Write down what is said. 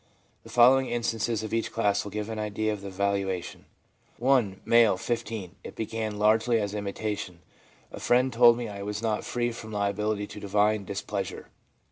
The following instances of each class will give an idea of the evaluation :— CONSCIOUS AND SUB CONSCIOUS ELEMENTS 103 (1.) M., 15. ' It began largely as imitation; a friend told me I was not free from liability to divine dis pleasure/ F.